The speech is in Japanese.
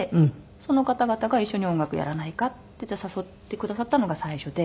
その方々が一緒に音楽やらないかって誘ってくださったのが最初で。